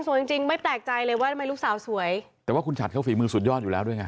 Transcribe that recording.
จริงจริงไม่แปลกใจเลยว่าทำไมลูกสาวสวยแต่ว่าคุณฉัดเขาฝีมือสุดยอดอยู่แล้วด้วยไง